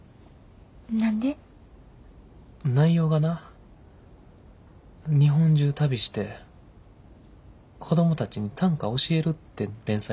内容がな日本中旅して子供たちに短歌教えるって連載で。